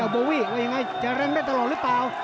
โบวี่ว่ายังไงจะแรงได้ตลอดหรือเปล่า